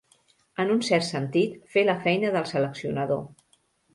En un cert sentit, fer la feina del seleccionador.